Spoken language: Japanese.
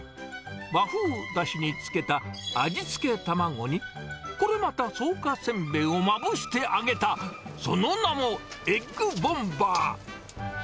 和風だしに漬けた味付け卵に、これまた草加せんべいをまぶして揚げた、その名も、エッグボンバー。